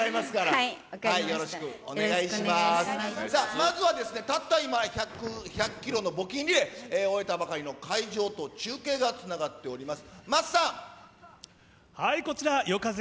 まずはですね、たった今、１００キロの募金リレー、終えたばかりの会場と中継がつながっております。